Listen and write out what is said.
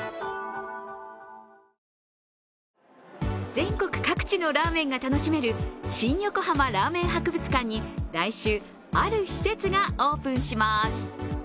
全国各地のラーメンが楽しめる新横浜ラーメン博物館に来週ある施設がオープンします。